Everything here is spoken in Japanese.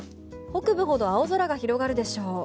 北部ほど青空が広がるでしょう。